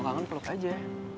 kangen peluk aja